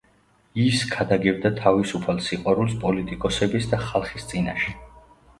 ის ქადაგებდა თავისუფალ სიყვარულს პოლიტიკოსების და ხალხის წინაშე.